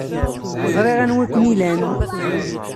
Ẓriɣ anwa ay ken-ilan.